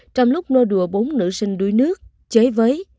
trong lúc nô đùa bốn nữ sinh đuối nước chơi với